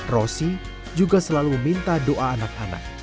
rosy juga selalu minta doa anak anak